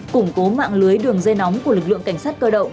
củng cố mạng lưới đường dây nóng của lực lượng cảnh sát cơ động